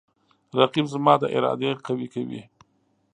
رقیب زما د ارادې قوی کوي